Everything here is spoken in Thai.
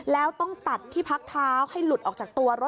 แล้วต้องตัดที่พักเท้าให้หลุดออกจากตัวรถ